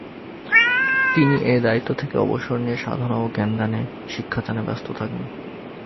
তিনি এই দায়িত্ব থেকে অবসর নিয়ে সাধনা ও শিক্ষাদানে ব্যস্ত থাকেন।